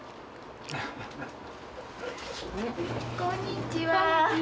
こんにちは。